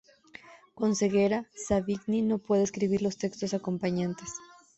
Con ceguera, Savigny no puede escribir los textos acompañantes.